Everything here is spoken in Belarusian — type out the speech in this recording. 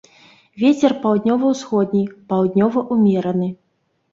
Вецер паўднёва-ўсходні, паўднёвы ўмераны.